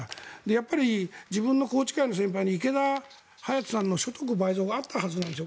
やっぱり自分の宏池会の先輩の池田勇人先輩の所得倍増計画があったはずなんです。